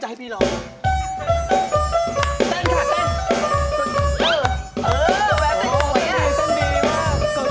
โจทย์พูดตรง